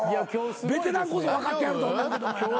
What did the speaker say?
ベテランこそ分かってはると思うけどもやな。